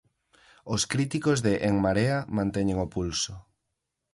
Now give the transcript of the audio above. Os críticos de En Marea manteñen o pulso.